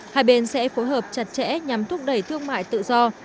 hai bên sẽ phối hợp chặt chẽ nhằm thúc đẩy thương mại tự do